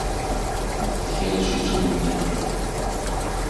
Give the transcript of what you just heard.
Ikerrec-itt uydi-nni.